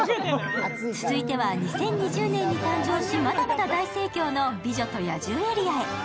続いては２０２０年に誕生し、まだまだ大盛況の美女と野獣エリアへ。